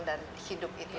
dan hidup itu